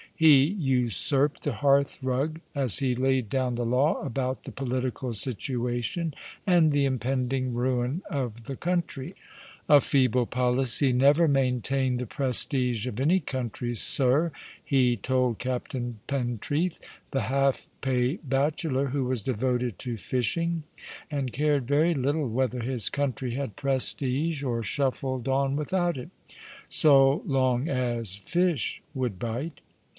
He usurped the hearthrug, as he laid down the law about the political situation and the impending ruin of the country. '*A feeble policy never maintained the prestige of any country, sir," he told Captain Pentreath, the half pay bachelor, who was devoted to fishing, and cared very little whether his country had prestige or shuffled on without it — so long as fish would bite.